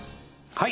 はい。